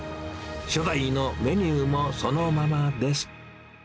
初代のメニューもそのままです。